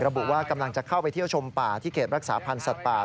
ระบุว่ากำลังจะเข้าไปเที่ยวชมป่าที่เขตรักษาพันธ์สัตว์ป่า